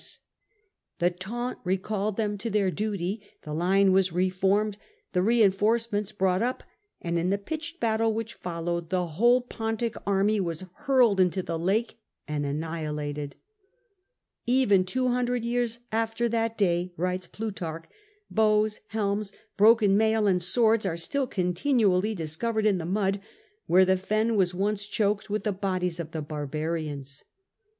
'' The taunt recalled them, to their duty, the line was re formed, the reinforcements brought up, and in the pitched battle which followed the whole Pontic army was hurled into the lake and annihilated. "Even two hundred years after that day," writes Plu tarch, "bows, helms, broken mail, and swords are still continually discovered in the mud, where the fen was once choked with the bodies of the barbarians."